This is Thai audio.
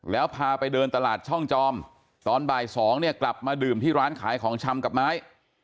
แล้วพาไปเดินตลาดช่องจอมตอนบ่าย๒เนี่ยกลับมาดื่มที่ร้านขายของชำกับไม้